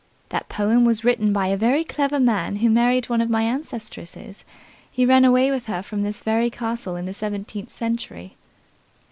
"That poem was written by a very clever man who married one of my ancestresses. He ran away with her from this very castle in the seventeenth century."